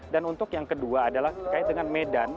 dan untuk yang kedua adalah terkait dengan medan